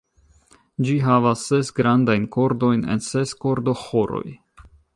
Ĝi havas ses grandajn kordojn en ses kordoĥoroj.